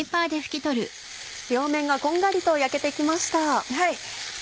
両面がこんがりと焼けて来ました。